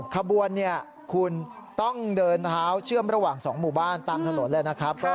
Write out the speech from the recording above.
ขบวนเนี่ยคุณต้องเดินเท้าเชื่อมระหว่าง๒หมู่บ้านตามถนนแล้วนะครับ